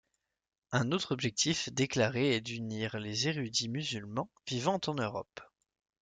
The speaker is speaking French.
Un autre objectif déclaré est d’unir les érudits musulmans vivant en Europe.